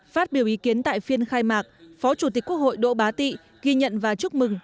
phát biểu ý kiến tại phiên khai mạc phó chủ tịch quốc hội đỗ bá tị ghi nhận và chúc mừng